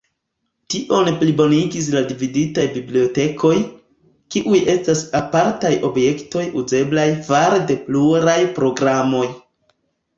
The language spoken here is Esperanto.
Tion plibonigis la "dividataj" bibliotekoj, kiuj estas apartaj objektoj uzeblaj fare de pluraj programoj.